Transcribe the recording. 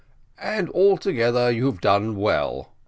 "And altogether you have done well.